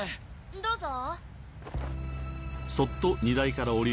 どうぞ！